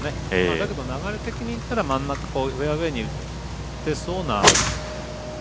だけど流れ的にいったら真ん中フェアウエーにいってそうな。